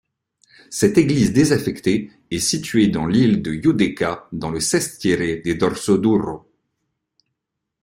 Cette église désaffectée est située dans l'île de Giudecca dans le sestiere de Dorsoduro.